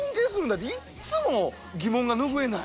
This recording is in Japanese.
っていっつも疑問が拭えない。